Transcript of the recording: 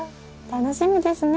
楽しみですね。